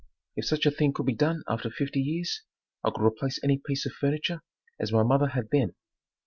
If such a thing could be done after fifty years, I could replace any piece of furniture as my mother had then.